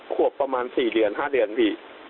ควบประมาณ๔๕เดือนพี่